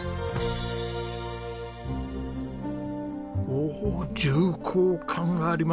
おお重厚感がありますね。